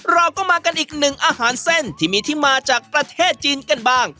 เราก็มากันอีกหนึ่งอาหารเส้นที่มีที่มาจากประเทศจีนกันบ้าง